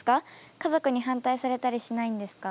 家族に反対されたりしないんですか？